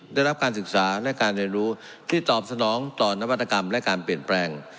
ได้รับการศึกษาและการเรียนรู้ที่ตอบสนองต่อนวัตกรรมและการเปลี่ยนแปลง